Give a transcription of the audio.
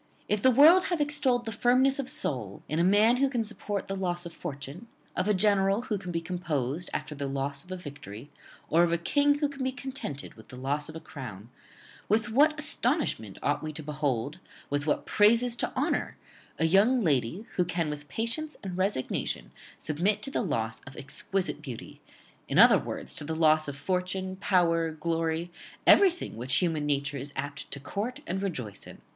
If the world have extolled the firmness of soul in a man who can support the loss of fortune; of a general who can be composed after the loss of a victory; or of a king who can be contented with the loss of a crown; with what astonishment ought we to behold, with what praises to honour, a young lady, who can with patience and resignation submit to the loss of exquisite beauty, in other words to the loss of fortune, power, glory, everything which human nature is apt to court and rejoice in!